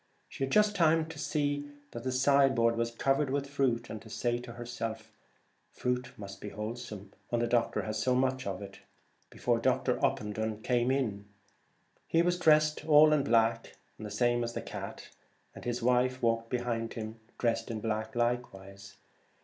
She had just time to see that the side board was covered with fruit, and to say to her self, ' Fruit must be wholesome when the doctor has so much,' before Dr. Opendon came in. He was dressed all in black, the same as the cat, and his wife walked behind him dressed in black likewise.